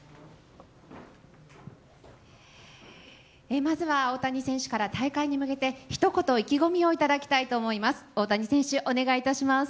まずは大谷選手から大会に向けてひと言、意気込みをいただきたいと思います。